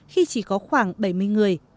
khi chỉ có khoảng bảy mươi người